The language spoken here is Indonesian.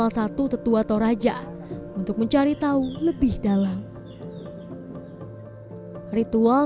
ini sudah yang terbaik berapa berikan